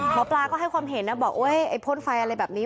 หมอปลาก็ให้ความเห็นนะบอกโอ๊ยไอ้พ่นไฟอะไรแบบนี้